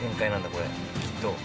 これきっと。